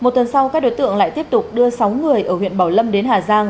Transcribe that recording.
một tuần sau các đối tượng lại tiếp tục đưa sáu người ở huyện bảo lâm đến hà giang